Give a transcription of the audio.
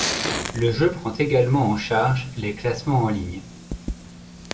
Le jeu prend également en charge les classements en ligne.